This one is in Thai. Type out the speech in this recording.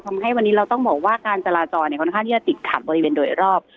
ทำให้วันนี้เราต้องบอกว่าการจราจรค่อนข้างที่จะติดขัดบริเวณโดยรอบ